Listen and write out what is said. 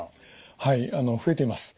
はい増えています。